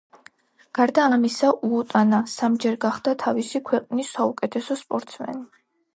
გარდა ამისა, უოტანა სამჯერ გახდა თავისი ქვეყნის საუკეთესო სპორტსმენი.